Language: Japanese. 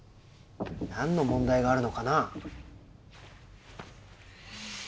なんの問題があるのかなぁ？